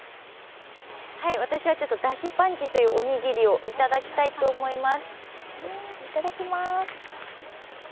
私はだしパンチというおにぎりをいただきたいと思います。